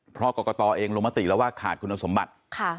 เพราะกรกตเองลงมติแล้วว่าขาดคุณสมบัติ